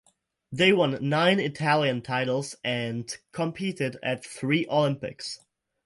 They won nine Italian titles and competed at three Olympics.